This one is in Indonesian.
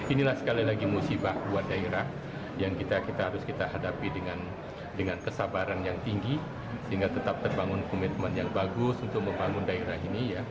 inilah sekali lagi musibah buat daerah yang harus kita hadapi dengan kesabaran yang tinggi sehingga tetap terbangun komitmen yang bagus untuk membangun daerah ini